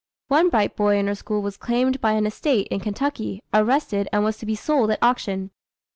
One bright boy in her school was claimed by an estate in Kentucky, arrested, and was to be sold at auction.